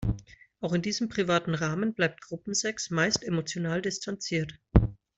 Auch in diesem privaten Rahmen bleibt Gruppensex meist emotional distanziert.